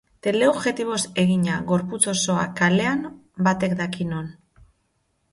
Teleobjektiboz egina, gorputz osoa, kalean, batek daki non.